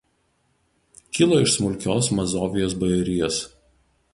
Kilo iš smulkios Mazovijos bajorijos.